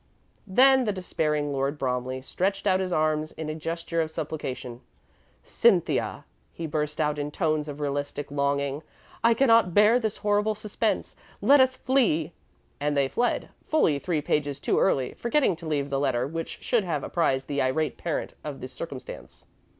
Then the despairing Lord Bromley stretched out his arms in a gesture of supplication. "Cynthia," he burst out in tones of realistic longing, "I cannot bear this horrible suspense. Let us flee." And they fled, fully three pages too early, forgetting to leave the letter which should have apprised the Irate Parent of the circumstance.